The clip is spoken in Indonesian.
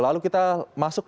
lalu kita masuk